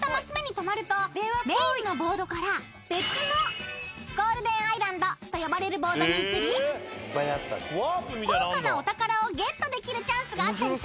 ［メインのボードから別のゴールデンアイランドと呼ばれるボードに移り高価なお宝をゲットできるチャンスがあったりと］